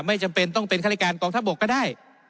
ไม่จำเป็นต้องเป็นฆาติการกองทัพบกก็ได้